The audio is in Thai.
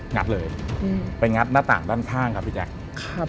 งัดเลยไปงัดหน้าต่างด้านข้างครับพี่แจ๊ค